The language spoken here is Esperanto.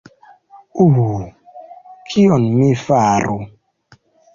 Uh... kion mi faru?